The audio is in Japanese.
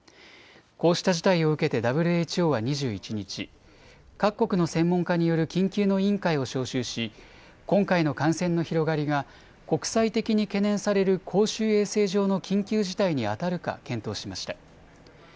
こうした事態を受けてＷＨＯは２１日、各国の専門家による緊急の委員会を招集し今回の感染の広がりが国際的に懸念される公衆衛生上の緊急事態にあたるか検討しました。